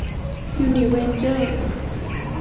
ยูนิเวนเจอร์